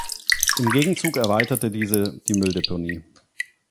Im Gegenzug erweiterte diese die Mülldeponie.